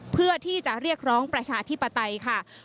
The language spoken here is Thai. เพื่อที่จะเรียกร้องประชาธิปไตยค่ะ